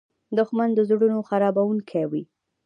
دښمن د زړونو خرابوونکی وي